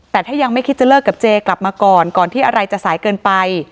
แต่ถ้ายังไม่คิดจะเลิกกับเจกลับมาก่อนก่อนที่อะไรจะสายเกินไป